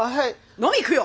飲み行くよ！